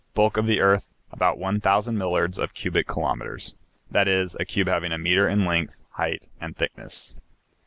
Bulk of the earth, about 1,000 millards of cubic kilometres; that is, a cube having a metre in length, height, and thickness.